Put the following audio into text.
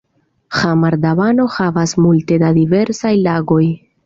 Ĥamar-Dabano havas multe da diversaj lagoj.